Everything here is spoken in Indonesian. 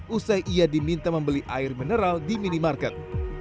usai ia diminta membeli air mineral di minimarket